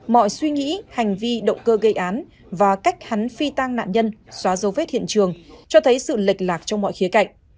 mọi suy nghĩ hành vi động cơ gây án và cách hắn phi tang nạn nhân xóa dấu vết hiện trường cho thấy sự lệch lạc trong mọi khía cạnh